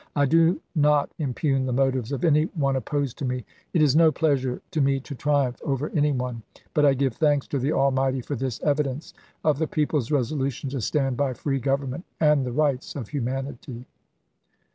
I do not impugn the motives of any one opposed to me. It is no pleasure to me to triumph over any one, but I give thanks to the Almighty "cySo*1 f°r this evidence of the people's resolution to stand i864fp.a,799. hy free government and the rights of humanity."